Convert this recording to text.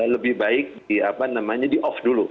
lebih baik di apa namanya di off dulu